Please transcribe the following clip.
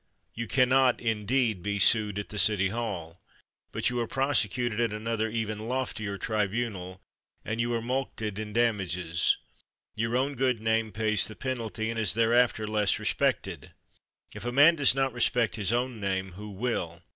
You cannot, indeed, be sued at the City Hall, but you are prosecuted at another, even loftier tribunal, and you are mulcted in damages. Your own good name pays the penalty, and is thereafter less respected. If a man does not respect his own name, who will?